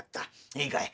いいかい？